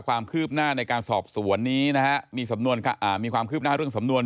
ความคืบหน้าในการสอบสวนนี้นะฮะมีความคืบหน้าเรื่องสำนวน